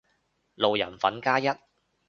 路人粉加一